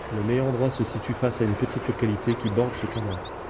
Le meilleur endroit se situe face à une petite localité qui borde ce canal.